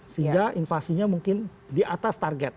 sehingga invasinya mungkin di atas target